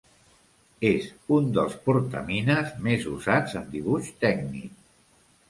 És un dels portamines més usats en dibuix tècnic.